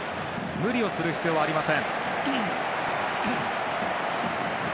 無理をする必要はありません。